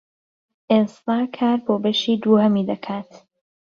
ئێستا کار بۆ بەشی دووەمی دەکات.